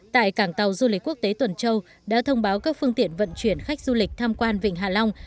tại cảng tàu du lịch quốc tế tuần châu đã thông báo các phương tiện vận chuyển khách du lịch tham quan vịnh hạ long